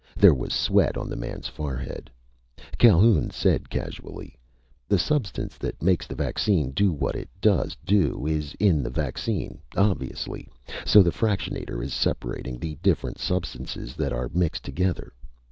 There was sweat on the man's forehead. Calhoun said casually: "The substance that makes the vaccine do what it does do is in the vaccine, obviously. So the fractionator is separating the different substances that are mixed together."